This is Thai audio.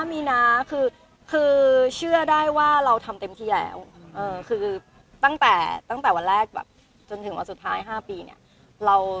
มีนะคือเชื่อได้ว่าเราทำเต็มที่แล้วคือตั้งแต่ตั้งแต่วันแรกแบบจนถึงวันสุดท้าย๕ปีเนี่ย